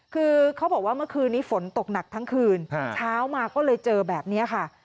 คือเขาบอกว่าเมื่อคืนนี้ฝนตกหนักทั้งคืนเช้ามาก็เลยเจอแบบนี้ค่ะ